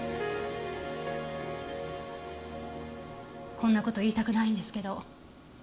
こんな事言いたくないんですけど。